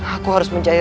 aku harus mencari rai